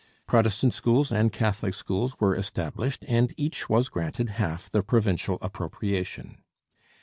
Protestant schools and Catholic schools were established, and each was granted half the provincial appropriation.